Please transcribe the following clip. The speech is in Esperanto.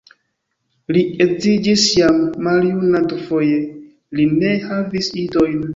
Li edziĝis jam maljuna dufoje, li ne havis idojn.